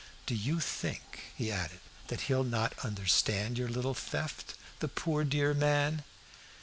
"Do you think," he added, "that he'll not understand your little theft, the poor dear man?"